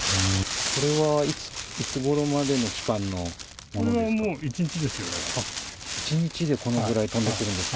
これはいつごろまでの期間のものですか。